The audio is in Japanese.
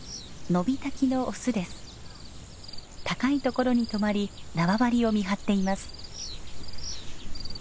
高い所に止まり縄張りを見張っています。